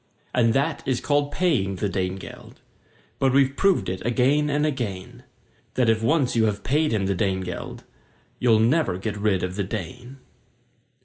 And that is called paying the Dane geld; But we've proved it again and again, That if once you have paid him the Dane geld You never get rid of the Dane.